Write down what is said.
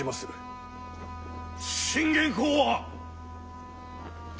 信玄公は！